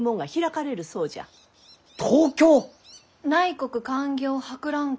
内国勧業博覧会？